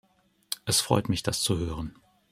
Es freut mich, das zu hören.